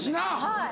はい。